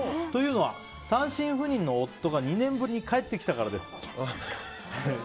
というのは、単身赴任の夫が２年ぶりに帰ってきたからです。